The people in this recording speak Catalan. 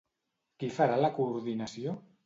Qui farà la coordinació?